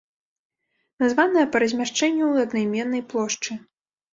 Названая па размяшчэнню ў аднайменнай плошчы.